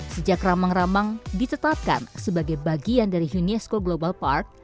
sejak ramang ramang ditetapkan sebagai bagian dari unesco global park